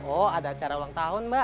oh ada acara ulang tahun mbak